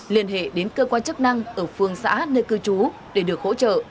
liên hệ đến cơ quan chức năng ở phương xã nơi cư trú để được hỗ trợ